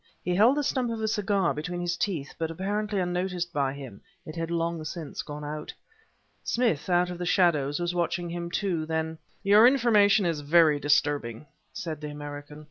He held the stump of a cigar between his teeth, but, apparently unnoticed by him, it had long since gone out. Smith, out of the shadows, was watching him, too. Then: "Your information is very disturbing," said the American.